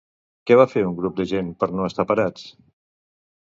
Què va fer un grup de gent per no estar parats?